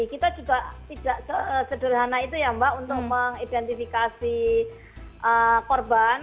kita juga tidak sederhana itu ya mbak untuk mengidentifikasi korban